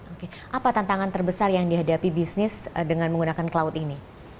oke apa tantangan terbesar yang dihadapi bisnis dengan menggunakan cloud ini